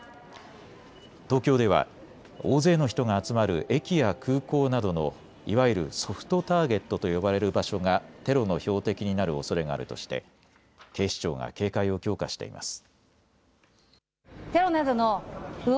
東京では大勢の人が集まる駅や空港などのいわゆるソフトターゲットと呼ばれる場所がテロの標的になるおそれがあるとして警視庁が警戒を強化しています。